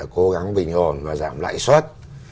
cố gắng bình ổn và giảm lãi suất